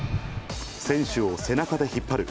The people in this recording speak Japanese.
選手を背中で引っ張る。